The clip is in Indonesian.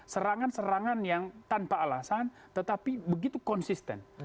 serangan serangan yang tanpa alasan tetapi begitu konsisten